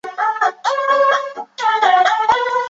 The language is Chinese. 元时为大汗蒙哥之子昔里吉封地。